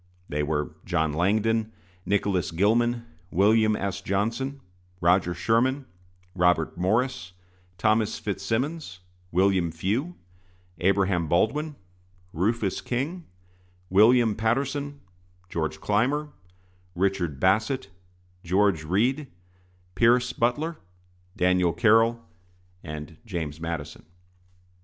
They were John Langdon, Nicholas Gilman, William S. Johnson, Roger Sherman, Robert Morris, Thomas Fitzsimmons, William Few, Abraham Baldwin, Rufus King, William Paterson, George Clymer, Richard Bassett, George Read, Pierce Butler, Daniel Carroll, and James Madison.